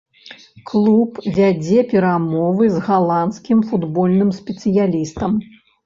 Клуб вядзе перамовы з галандскім футбольным спецыялістам.